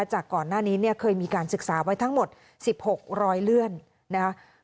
จากก่อนหน้านี้เนี่ยเคยมีการศึกษาไว้ทั้งหมด๑๖๐๐เลื่อนนะคะ